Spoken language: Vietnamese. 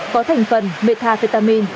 có thành phần methafetamin